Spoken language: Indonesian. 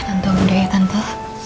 tante muda ya tante